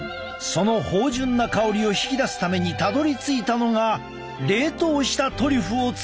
その芳じゅんな香りを引き出すためにたどりついたのが冷凍したトリュフを使う調理法。